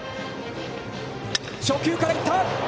初球からいった。